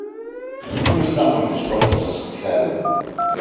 Non estamos dispostas a esquecelo.